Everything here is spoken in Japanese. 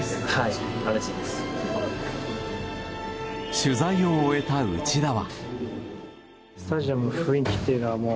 取材を終えた内田は。